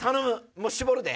もう絞るで。